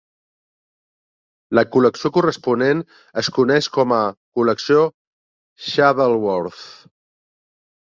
La col·lecció corresponent es coneix com a Col·lecció Shuttleworth.